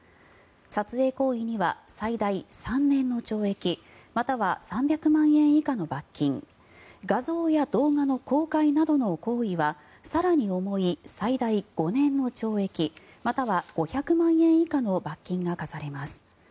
撮影行為には最大３年の懲役または３００万円以下の罰金画像や動画の公開などの行為は更に重い、最大５年の懲役または５００万円以下の罰金が科されます。